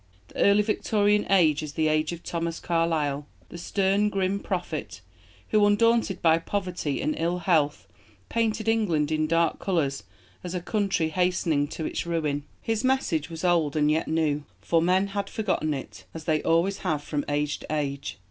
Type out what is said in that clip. The early Victorian age is the age of Thomas Carlyle, the stern, grim prophet, who, undaunted by poverty and ill health, painted England in dark colours as a country hastening to its ruin. His message was old and yet new for men had forgotten it, as they always have from age to age.